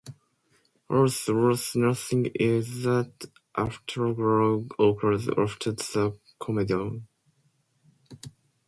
Also worth noting is that afterglow occurs after the comedown.